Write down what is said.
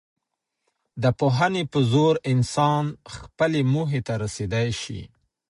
د پوهني په زور انسان خپلي موخې ته رسېدی سي.